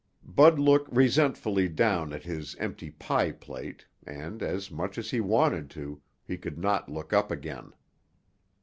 Bud looked resentfully down at his empty pie plate and, as much as he wanted to, he could not look up again.